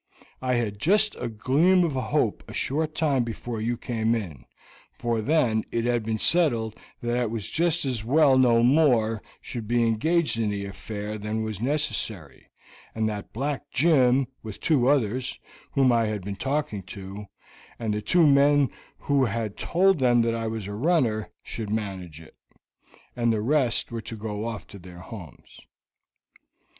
I had just a gleam of hope a short time before you came in, for then it had been settled that it was just as well no more should be engaged in the affair than was necessary, and that Black Jim, with two others, whom I had been talking to, and the two men who had told them that I was a runner, should manage it, and the rest were to go off to their homes.